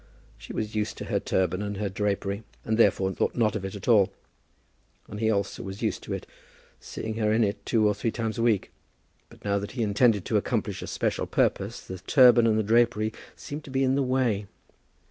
She was used to her turban and her drapery, and therefore thought not of it at all; and he also was used to it, seeing her in it two or three times a week; but now that he intended to accomplish a special purpose, the turban and the drapery seemed to be in the way.